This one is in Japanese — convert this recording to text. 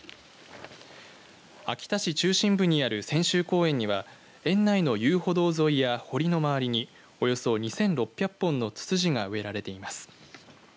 秋田市中心部にある千秋公園には園内の遊歩道沿いや堀の周りにおよそ２６００本のツツジが植えられています。